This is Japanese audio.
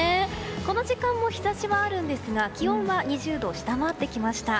この時間も日差しはあるんですが気温は２０度を下回ってきました。